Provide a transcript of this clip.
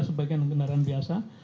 sebagian dengan kendaraan biasa